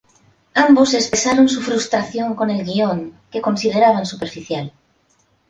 Ambos expresaron su frustración con el guion, que consideraban superficial.